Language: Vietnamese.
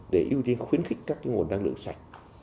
để ưu tiên khuyến khích các nguồn năng lượng sạch